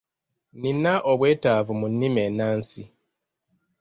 Nnina obwetaavu mu nnimi ennansi.